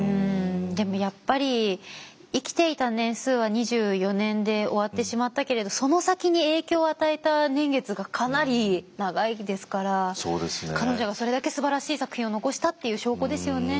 でもやっぱり生きていた年数は２４年で終わってしまったけれどその先に影響を与えた年月がかなり長いですから彼女がそれだけすばらしい作品を残したっていう証拠ですよね。